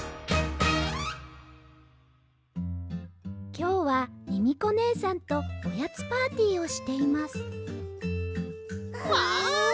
きょうはミミコねえさんとおやつパーティーをしていますわあ！